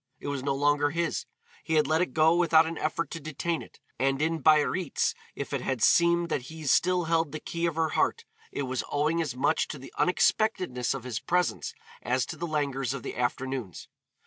It was no longer his, he had let it go without an effort to detain it, and in Biarritz if it had seemed that he still held the key of her heart, it was owing as much to the unexpectedness of his presence as to the languors of the afternoons.